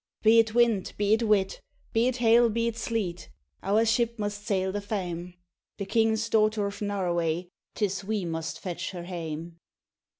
'Be it wind, be it weet, be it hail, be it sleet, Our ship must sail the faem; The king's daughter of Noroway, 'Tis we must fetch her hame.'